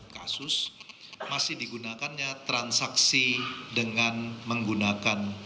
kasus masih digunakannya transaksi dengan menggunakan